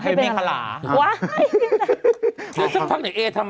ให้เป็นเมฆฤาะ